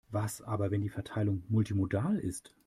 Was aber, wenn die Verteilung multimodal ist?